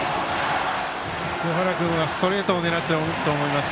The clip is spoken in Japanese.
清原君はストレートを狙っていると思います。